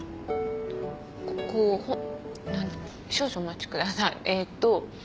こう少々お待ちくださいえっと。